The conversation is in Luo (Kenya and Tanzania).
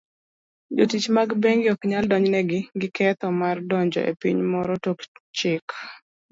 Jotich mag bengi oknyal donjnegi gi ketho mar donjo e piny moro tok chik.